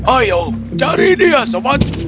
ayo cari dia sobat